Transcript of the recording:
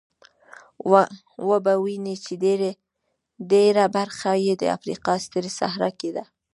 وبه وینئ چې ډېره برخه یې د افریقا سترې صحرا کې ده.